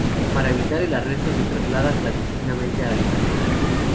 Para evitar el arresto se traslada clandestinamente a Alemania.